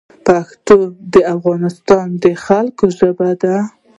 پښتو د افغانستان د خلګو ژبه ده